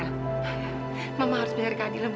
nggak nanda mama harus menerikan diri buat kamu loh